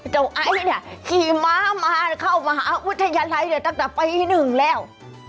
ไอซ์เนี่ยขี่ม้ามาเข้ามหาวิทยาลัยตั้งแต่ปี๑แล้ว